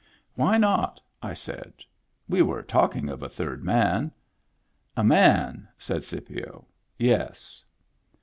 "Why not?" I said. "We were talking of a third man." " A man," said Scipio. " Yes."